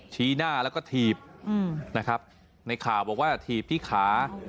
ชี้หน้าแล้วก็ถีบนะครับในข่าวบอกว่าถีบที่ขา